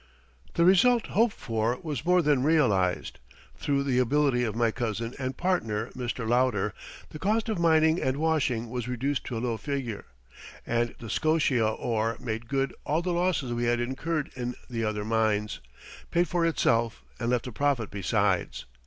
The result hoped for was more than realized. Through the ability of my cousin and partner, Mr. Lauder, the cost of mining and washing was reduced to a low figure, and the Scotia ore made good all the losses we had incurred in the other mines, paid for itself, and left a profit besides.